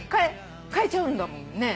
買えちゃうんだもんね。